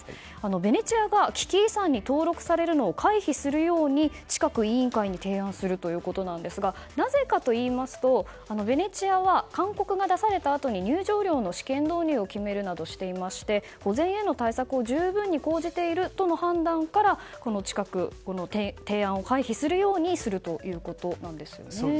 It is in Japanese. ベネチアが危機遺産に登録されるのを回避するように近く、委員会に提案するということなんですがなぜかといいますと、ベネチアは勧告が出されたあとに入場料の試験導入を決めるなどしていまして保全への対策を十分に講じているとの判断から、近く提案を回避するようにするということなんですね。